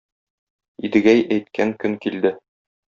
Идегәй әйткән көн килде.